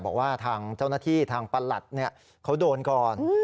บอกว่าทางเจ้าหน้าที่ทางประหลัดเขาโดนก่อน